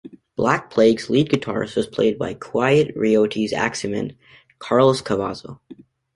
Black Plague's lead guitarist was played by Quiet Riot's axeman Carlos Cavazzo.